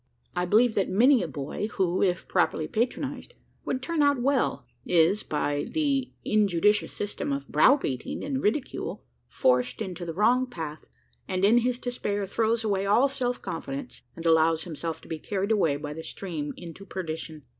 I believe, that many a boy, who, if properly patronised, would turn out well, is, by the injudicious system of brow beating and ridicule, forced into the wrong path, and, in his despair, throws away all self confidence, and allows himself to be carried away by the stream to perdition.